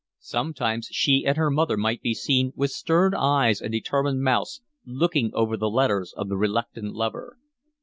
Sometimes she and her mother might be seen, with stern eyes and determined mouths, looking over the letters of the reluctant lover.